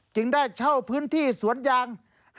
ได้เช่าพื้นที่สวนยาง